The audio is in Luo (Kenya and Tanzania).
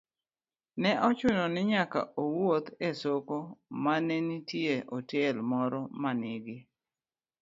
ne ochuno ni nyaka owuoth e soko ma ne nitie otel moro ma nigi